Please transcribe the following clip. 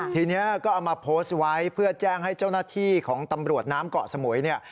ทีนี้ก็เอามาโพสต์ไว้เพื่อแจ้งให้เจ้าหน้าที่ของตำรวจน้ำเกาะสมุยเนี่ย